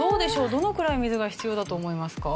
どのくらい水が必要だと思いますか？